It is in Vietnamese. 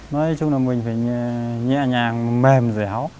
nói chung là mình phải nhẹ nhàng mềm dẻo